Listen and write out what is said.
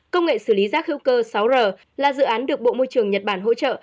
công nghệ xử lý rác hữu cơ sáu r là dự án được bộ môi trường nhật bản hỗ trợ